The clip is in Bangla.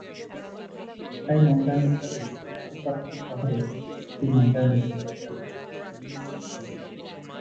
ঢাকায় মঞ্চায়নের পরে আরও পাঁচটি শহরে এটি মঞ্চায়নের পরিকল্পনা রয়েছে প্রতিষ্ঠানটির।